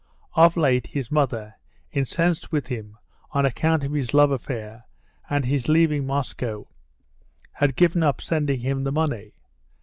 Of late his mother, incensed with him on account of his love affair and his leaving Moscow, had given up sending him the money.